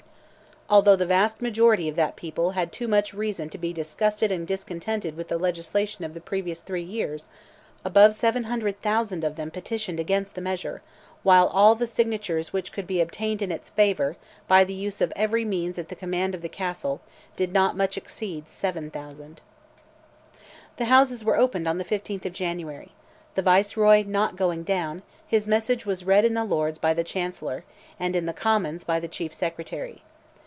Although the vast majority of that people had too much reason to be disgusted and discontented with the legislation of the previous three years, above 700,000 of them petitioned against the measure, while all the signatures which could be obtained in its favour, by the use of every means at the command of the Castle, did not much exceed 7,000. The Houses were opened on the 15th of January. The Viceroy not going down, his message was read in the Lords, by the Chancellor, and in the Commons, by the Chief Secretary.